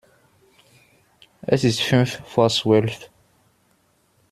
Es ist fünf vor Zwölf.